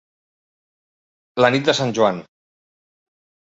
La nit de Sant Joan.